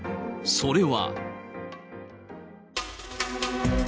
それは。